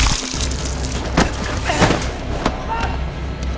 あっ！